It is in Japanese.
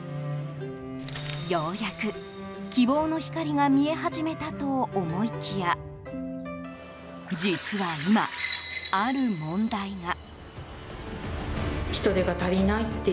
ようやく希望の光が見え始めたと思いきや実は今、ある問題が。